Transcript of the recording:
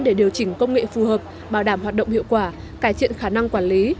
để điều chỉnh công nghệ phù hợp bảo đảm hoạt động hiệu quả cải thiện khả năng quản lý